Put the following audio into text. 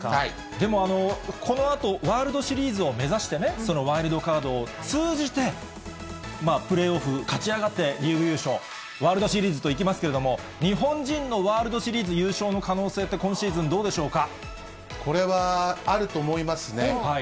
でも、このあとワールドシリーズを目指して、ワイルドカードを通じて、プレーオフ勝ち上がって、リーグ優勝、ワールドシリーズといきますけれども、日本人のワールドシリーズ優勝の可能性って、今シーズン、これは、あると思いますね。